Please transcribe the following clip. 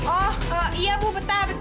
oh iya bu betah betah